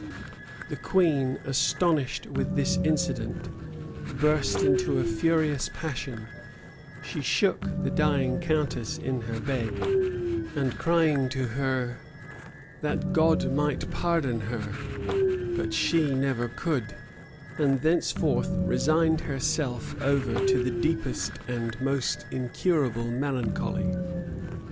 The queen, astonished with this incident, burst into a furious passion: she shook the dying countess in her bed; and crying to her, "that God might pardon her, but she never could," she broke from her, and thenceforth resigned herself over to the deepest and most incurable melancholy.